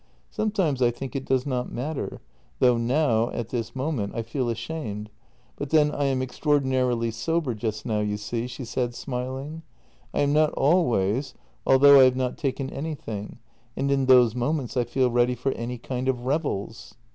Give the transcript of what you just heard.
" Sometimes I think it does not matter, though now — at this moment — I feel ashamed, but then I am extraordinarily sober just now, you see," she said, smiling. " I am not always, al though I have not taken anything, and in those moments I feel ready for any kind of revels."